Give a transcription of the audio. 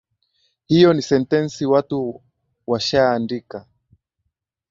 Hio ni sentensi watu washaandika